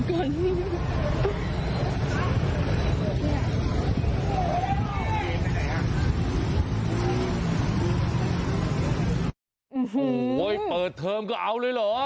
โอ้โหเปิดเทอมก็เอาเลยเหรอ